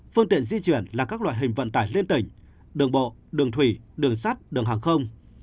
phương tiện di chuyển là các loại hình vận tải liên tỉnh đường bộ đường thủy đường sắt đường hàng không